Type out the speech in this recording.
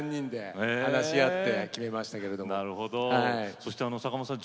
そして坂本さん